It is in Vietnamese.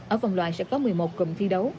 ở vòng loại sẽ có một mươi một cụm thi đấu